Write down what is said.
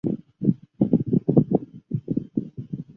利阿达尔马尼亚克。